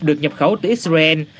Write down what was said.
được nhập khẩu từ israel